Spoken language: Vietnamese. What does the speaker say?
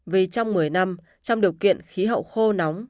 vì trong một mươi năm trong điều kiện khí hậu khô nóng